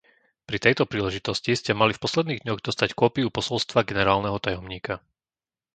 Pri tejto príležitosti ste mali v posledných dňoch dostať kópiu posolstva generálneho tajomníka.